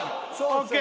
ＯＫ。